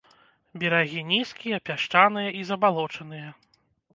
Берагі нізкія, пясчаныя і забалочаныя.